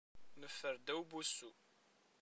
Neffer ddaw n wussu.